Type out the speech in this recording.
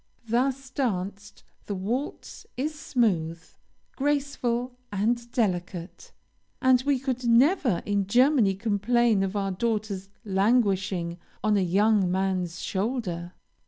Thus danced, the waltz is smooth, graceful, and delicate, and we could never in Germany complain of our daughter's languishing on a young man's shoulder.